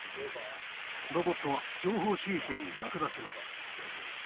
ロボットは情報収集に役立ちます。